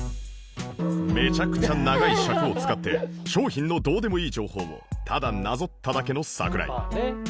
めちゃくちゃ長い尺を使って商品のどうでもいい情報をただなぞっただけの ＳＡＫＵＲＡＩ